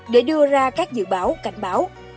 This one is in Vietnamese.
để đưa ra các dự báo cảnh báo